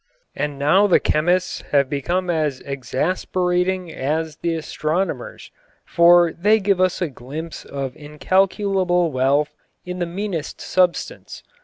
And now the chemists have become as exasperating as the astronomers, for they give us a glimpse of incalculable wealth in the meanest substance.